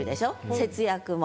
節約も。